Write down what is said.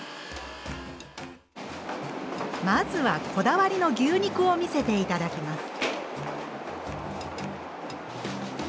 まずはこだわりの牛肉を見せて頂きます。